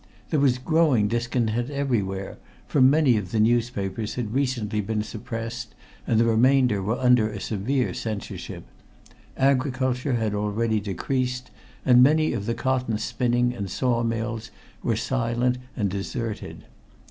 There was growing discontent everywhere, for many of the newspapers had recently been suppressed and the remainder were under a severe censorship; agriculture had already decreased, and many of the cotton spinning and saw mills were silent and deserted.